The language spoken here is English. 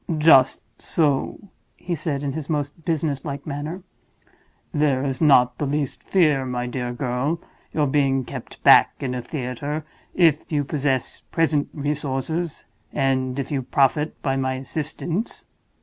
"Just so," he said, in his most business like manner. "There is not the least fear, my dear girl, of your being kept back in a theater, if you possess present resources, and if you profit by my assistance."